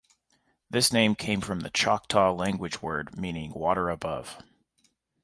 This name came from the Choctaw language word meaning water above.